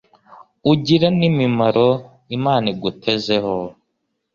Ugire n' imimaro Imana igutezeho.